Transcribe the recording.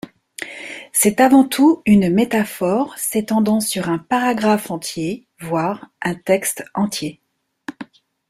C'est avant tout une métaphore s'étendant sur un paragraphe entier, voire un texte entier.